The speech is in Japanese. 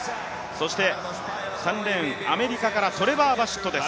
そして３レーン、アメリカからトレバー・バシットです。